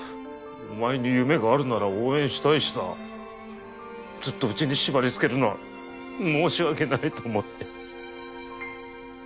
お前に夢があるなら応援したいしさずっとうちに縛り付けるのは申し訳ないと思って。